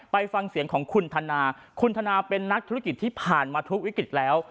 ไปฟังเสียงของคุณธนาคุณธนาเป็นนักธุรกิจที่ผ่านมาทุกวิกฤตแล้ว